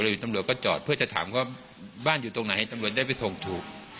อยู่ตำรวจก็จอดเพื่อจะถามว่าบ้านอยู่ตรงไหนตำรวจได้ไปส่งถูก